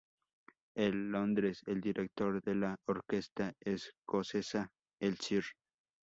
En Londres, el director de la Orquesta escocesa, el Sir.